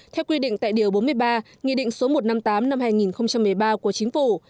theo quy định tại điều bốn mươi ba nghị định số một trăm năm mươi tám năm hai nghìn một mươi ba của chính phủ